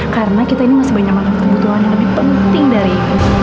karena kita ini masih banyak banget kebutuhan yang lebih penting dari